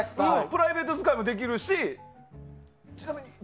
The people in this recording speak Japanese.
プライベート使いもできるし。